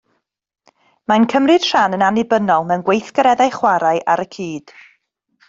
Mae'n cymryd rhan yn annibynnol mewn gweithgareddau chwarae ar y cyd